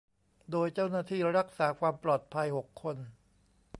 โดยเจ้าหน้าที่รักษาความปลอดภัย หก คน